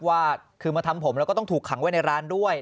ว่าคือมาทำผมแล้วก็ต้องถูกขังไว้ในร้านด้วย